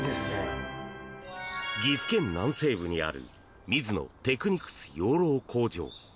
岐阜県南西部にあるミズノテクニクス養老工場。